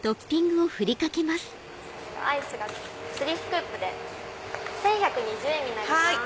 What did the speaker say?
アイスが３スクープで１１２０円になります。